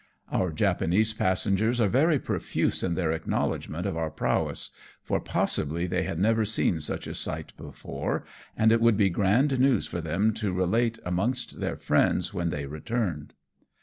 Our Japanese passengers are very profuse in their acknowledgment of our prowess; for possibly they had never seen such a sight before, and it would be grand news for them to relate amongst their friends when they returned.